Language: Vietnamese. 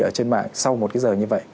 ở trên mạng sau một cái giờ như vậy